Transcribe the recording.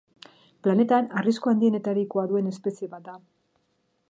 Planetan arrisku handienetarikoa duen espezie bat da.